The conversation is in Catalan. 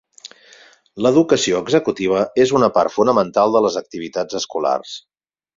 L'educació executiva és una part fonamental de les activitats escolars.